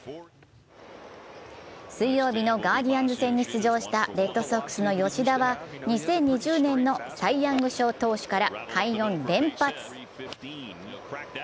水曜日のガーディアンズ戦に出場したレッドソックスの吉田は２０２０年のサイ・ヤング賞投手から快音連発。